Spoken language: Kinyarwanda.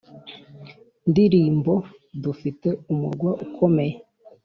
ndirimbo: Dufite umurwa ukomeye